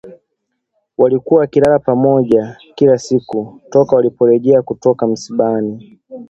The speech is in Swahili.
Walikuwa wakilala pamoja kila siku toka waliporejea kutoka msibani